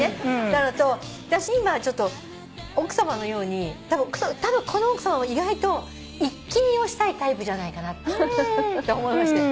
なのと私今ちょっと奥さまのようにたぶんこの奥さまも意外と一気見をしたいタイプじゃないかなと思いまして。